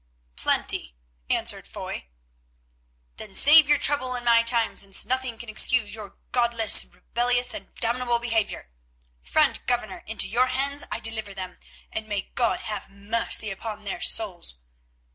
"Plenty," answered Foy. "Then save your trouble and my time, since nothing can excuse your godless, rebellious, and damnable behaviour. Friend Governor, into your hands I deliver them, and may God have mercy on their souls.